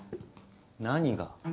何が？